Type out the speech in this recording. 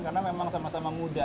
karena memang sama sama muda